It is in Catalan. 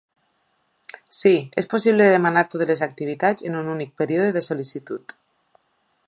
Sí, és possible demanar totes les activitats en un únic període de sol·licitud.